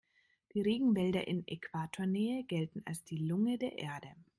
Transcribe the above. Die Regenwälder in Äquatornähe gelten als die Lunge der Erde.